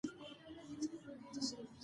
زده کړه ښځه د پیسو مدیریت زده کوي.